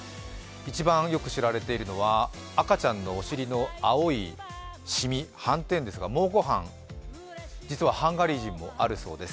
一番よく知られているのは赤ちゃんのお尻の青い染み、斑点ですが、蒙古斑、実はハンガリー人もあるそうです。